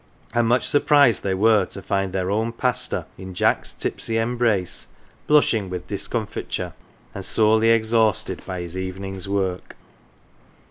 And much surprised they were to find their own pastor in Jack's tipsy embrace, blushing with discom fiture, and sorely exhausted by his evening's work.